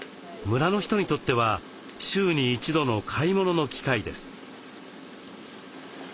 村の人にとっては週に一度の買い物の機会です。